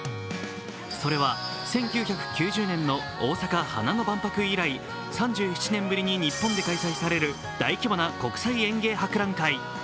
それは１９９０年の大阪花の万博以来、３７年ぶりに日本で開催される大規模な国際園芸博覧会。